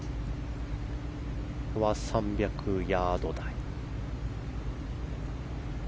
ここは３００ヤード台。